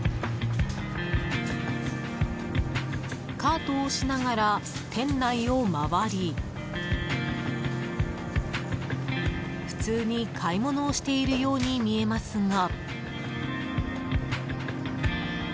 カートを押しながら店内を回り普通に買い物をしているように見えますが。